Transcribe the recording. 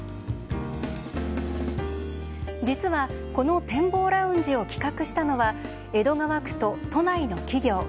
実は、この展望ラウンジを企画したのは江戸川区と都内の企業。